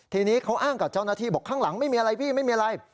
ทีนี้เขาอ้างกับเจ้าหน้าที่บอกข้างหลังไม่มีอะไรพี่ไม่มีอะไร